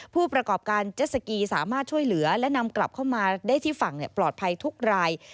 ผู้ประกอบการเจ็ดสกีสามารถช่วยเหลือและนำกลับเข้ามาได้ที่ฝั่งปลอดภัยทุกราย